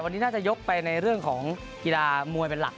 วันนี้น่าจะยกไปในเรื่องของกีฬามวยเป็นหลัก